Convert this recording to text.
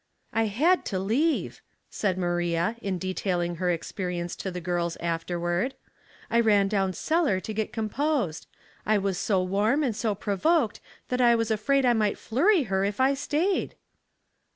'* I had to leave," said Maria, in detailing her experience to the girls afterward. " I ran down cellar to get composed. I was so warm and so provoked that I was afraid I might flurry her if I stayed."